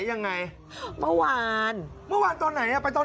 เซนอะไรก็เรียบร้ายมาแล้วน้องไปชงจะเลยเลยรอเลยค่ะฟัง